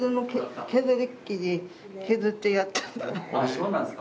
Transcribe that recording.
そうなんですか。